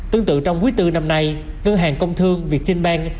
tương tự trong quý tư năm nay ngân hàng công thương việt tinh băng